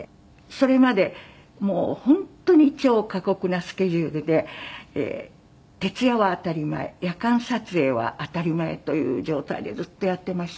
それまでもう本当に超過酷なスケジュールで徹夜は当たり前夜間撮影は当たり前という状態でずっとやっていましてね。